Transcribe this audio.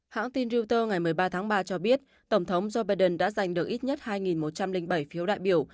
hãng tin reuter ngày một mươi ba tháng ba cho biết tổng thống joe biden đã giành được ít nhất hai một trăm linh bảy phiếu đại biểu